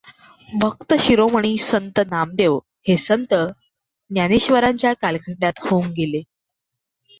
भक्तशिरोमणी संत नामदेव हे संत ज्ञानेश्वरांच्या कालखंडात होऊन गेले.